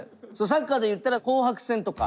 サッカーでいったら紅白戦とか。